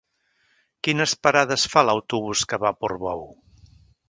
Quines parades fa l'autobús que va a Portbou?